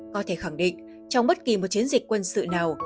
có thể khẳng định trong bất kỳ một chiến dịch quân sự nào